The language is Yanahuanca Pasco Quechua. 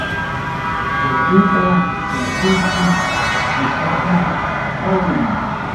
walluta wasiyki qipamman hawi.